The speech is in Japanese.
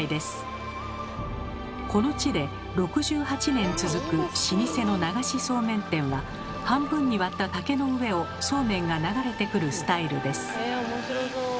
この地で６８年続く老舗の流しそうめん店は半分に割った竹の上をそうめんが流れてくるスタイルです。